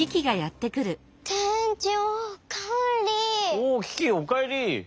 おおキキおかえり。